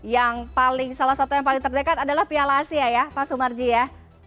yang paling salah satu yang paling terdekat adalah piala asia ya pak sumarji ya